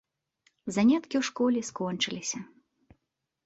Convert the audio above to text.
Заняткі ў школе скончыліся.